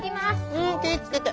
うん気ぃ付けて。